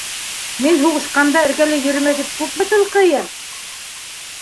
Мин һуғышҡанда эргәлә йөрөмә тип күпме тылҡыйым?!